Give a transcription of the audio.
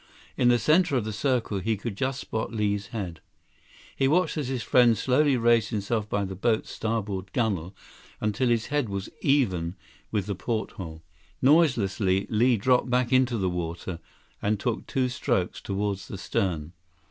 In the center of the circle, he could just spot Li's head. He watched as his friend slowly raised himself by the boat's starboard gunnel until his head was even with the porthole. Noiselessly, Li dropped back into the water and took two strokes toward the stern.